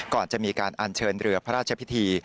ก่อนจะมีการอัญเชิญเรือพระราชพิธี